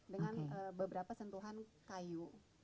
dengan beberapa sentuhan kayu